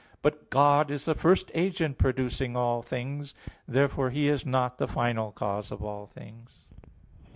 But God is the first agent producing all things. Therefore He is not the final cause of all things.